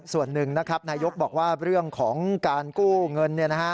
ส่วนหนึ่งนะครับนายกบอกว่าเรื่องของการกู้เงิน